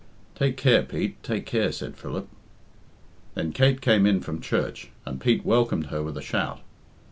"Take care, Pete, take care," said Philip. Then Kate came in from church, and Pete welcomed her with a shout.